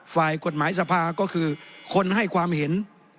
ฝ่ายกฎหมายสภาก็คือคนให้ความเห็น